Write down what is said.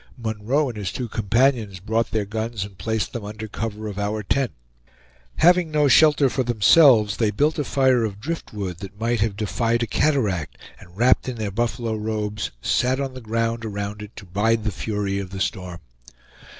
Munroe and his two companions brought their guns and placed them under cover of our tent. Having no shelter for themselves, they built a fire of driftwood that might have defied a cataract, and wrapped in their buffalo robes, sat on the ground around it to bide the fury of the storm.